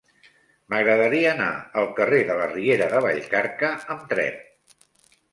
M'agradaria anar al carrer de la Riera de Vallcarca amb tren.